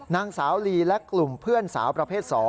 นางสาวลีและกลุ่มเพื่อนสาวประเภท๒